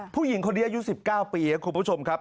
ผู้หญิงคนนี้อายุ๑๙ปีครับคุณผู้ชมครับ